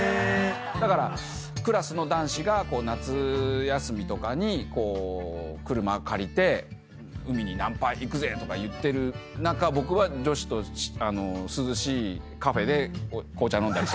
だからクラスの男子が夏休みとかに車借りて海にナンパ行くぜとか言ってる中僕は女子と涼しいカフェで紅茶飲んだり。